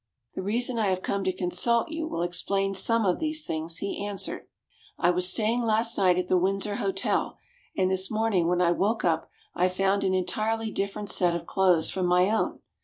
"The reason I have come to consult you will explain some of these things," he answered. "I was staying last night at the Windsor Hotel, and this morning when I woke up I found an entirely different set of clothes from my own.